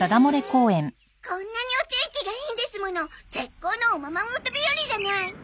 こんなにお天気がいいんですもの絶好のおままごと日和じゃない。